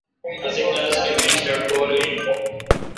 اسی کلاس مہ بیش لٹکور این۔